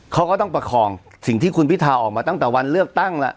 เขาก็ต้องประคองสิ่งที่คุณพิธาออกมาตั้งแต่วันเลือกตั้งแล้ว